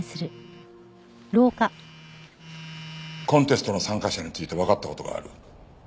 コンテストの参加者についてわかった事がある。